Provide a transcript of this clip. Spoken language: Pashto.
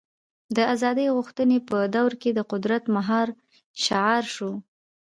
د ازادۍ غوښتنې په دور کې د قدرت مهار شعار شو.